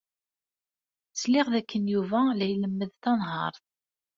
Sliɣ dakken Yuba la ilemmed tanhaṛt.